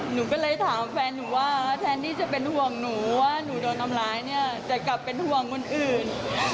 หนูก็เลยถามแฟนหนูว่าแทนที่จะเป็นห่วงหนูว่าหนูโดนทำร้ายเนี่ยจะกลับเป็นห่วงคนอื่น